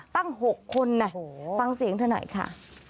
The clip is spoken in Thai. ตั้ง๖คนนะฟังเสียงเธอหน่อยค่ะ